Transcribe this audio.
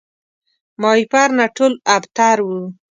ماهیپر نه ټول ابتر وو